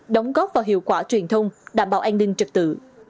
đóng góp vào hiệu quả truyền thông đảm bảo an ninh trật tự